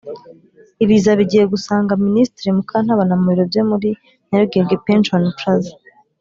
Ibiza bigiye gusanga Ministre Mukantabana mubiro bye muli Nyarugenge Pension Plazza.